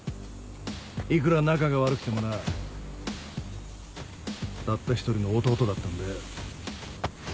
いくら仲が悪くてもなたった一人の弟だったんだよ。